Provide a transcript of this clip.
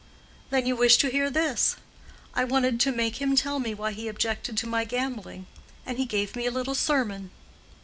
"Then you wish to hear this. I wanted to make him tell me why he objected to my gambling, and he gave me a little sermon."